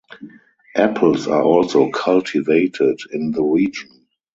Apples are also cultivated in the region.